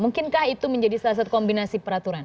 mungkinkah itu menjadi salah satu kombinasi peraturan